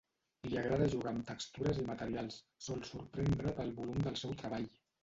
Li agrada jugar amb textures i materials, sol sorprendre pel volum del seu treball.